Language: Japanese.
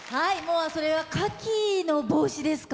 それはカキの帽子ですか？